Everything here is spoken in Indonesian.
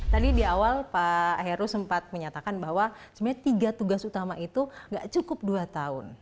tadi di awal pak heru sempat menyatakan bahwa sebenarnya tiga tugas utama itu gak cukup dua tahun